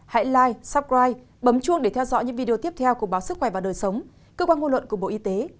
hãy live supride bấm chuông để theo dõi những video tiếp theo của báo sức khỏe và đời sống cơ quan ngôn luận của bộ y tế